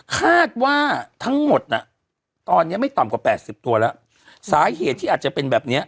คาดว่าทั้งหมดน่ะตอนเนี้ยไม่ต่ำกว่าแปดสิบตัวแล้วสาเหตุที่อาจจะเป็นแบบเนี้ย